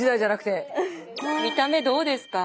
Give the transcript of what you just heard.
見た目どうですか？